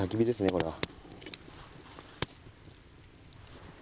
これは。